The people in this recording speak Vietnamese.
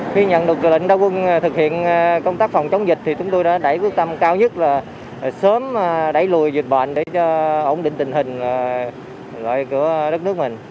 khi nhận được lệnh ra quân thực hiện công tác phòng chống dịch thì chúng tôi đã đẩy quyết tâm cao nhất là sớm đẩy lùi dịch bệnh để ổn định tình hình của đất nước mình